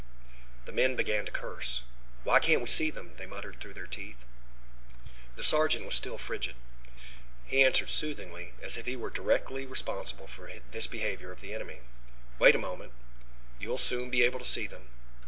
The men began to curse. "Why can't we see them?" they muttered through their teeth. The sergeant was still frigid. He answered soothingly as if he were directly reprehensible for this behavior of the enemy. "Wait a moment. You will soon be able to see them.